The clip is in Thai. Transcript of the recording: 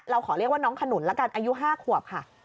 ขอเรียกว่าน้องขนุนละกันอายุ๕ขวบค่ะ